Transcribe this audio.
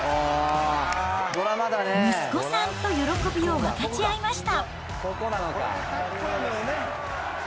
息子さんと喜びを分かち合いました。